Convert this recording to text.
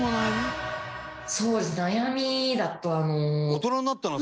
そうですね悩みだとあの。